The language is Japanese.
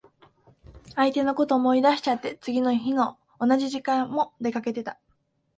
相手のこと思い出しちゃって、次の日の同じ時間も出かけてた。